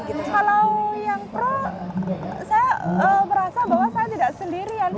kalau yang pro saya merasa bahwa saya tidak sendirian